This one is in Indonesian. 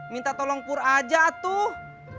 minta tolong kur aja tuh